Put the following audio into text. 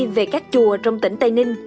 về các chùa trong tỉnh tây ninh